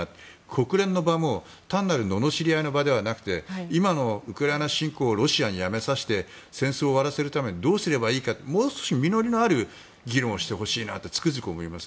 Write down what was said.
国連の場は単なる罵り合いの場ではなくて今のウクライナ侵攻をロシアにやめさせて戦争を終わらせるためにどうすればいいかもう少し実りのある議論をしてほしいです。